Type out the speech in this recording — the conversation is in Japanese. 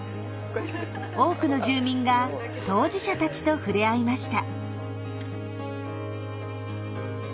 多くの住民が当事者たちと触れ合いました。